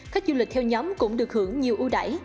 khách du lịch theo nhóm cũng được hưởng nhiều ưu đải